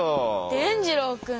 伝じろうくん